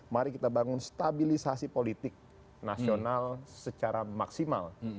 mari kita bangun stabilisasi politik nasional secara maksimal